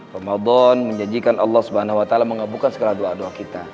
ramadan menyajikan allah swt mengabukkan segala doa doa kita